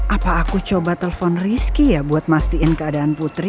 apa aku coba telepon rizky ya buat mastiin keadaan putri